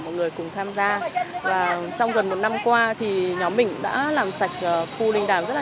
mọi người cùng tham gia và trong gần một năm qua thì nhóm mình đã làm sạch khu linh đàm rất là